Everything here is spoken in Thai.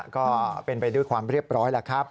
ก็เป็นไปด้วยความเรียบร้อยแล้วครับ